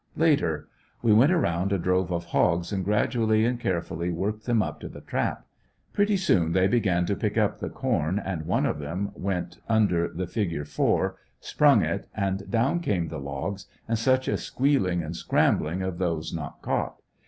Later. — We went around a drove of hogs and gradually and carefully worked them up to the trap. Pretty soon they began to pick up the corn and one of them went under the fig ure four, sprung it and down came the logs and such a squealing and scrambling of those not caught.